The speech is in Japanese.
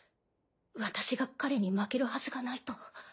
私が彼に負けるはずがないと。